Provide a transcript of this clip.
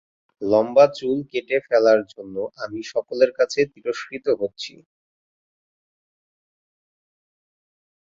লম্বা চুল কেটে ফেলার জন্য আমি সকলের কাছে তিরস্কৃত হচ্ছি।